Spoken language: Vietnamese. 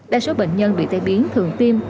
đa số bệnh nhân bị tay biến thường tiêm